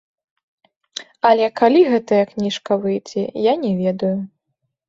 Але калі гэтая кніжка выйдзе, я не ведаю.